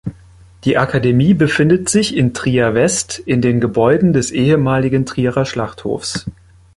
Die Akademie befindet sich in Trier-West in den Gebäuden des ehemaligen Trierer Schlachthofs.